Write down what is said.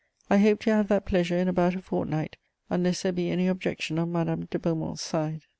I hope to have that pleasure in about a fortnight, unless there be any objection on Madame de Beaumont's side."